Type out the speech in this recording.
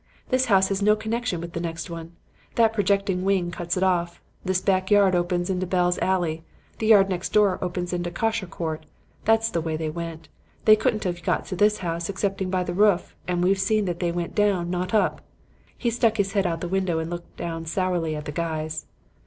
This house has no connection with the next one. That projecting wing cuts it off. This back yard opens into Bell's Alley; the yard next door opens into Kosher Court. That's the way they went. They couldn't have got to this house excepting by the roof, and we've seen that they went down, not up.' He stuck his head out of the window and looked down sourly at the guys.